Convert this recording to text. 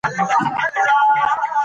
دا ویډیو په ډېر لنډ وخت کې مشهوره شوه.